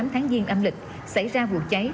tháng giêng âm lịch xảy ra vụ cháy